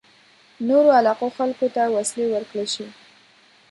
نورو علاقو خلکو ته وسلې ورکړل شي.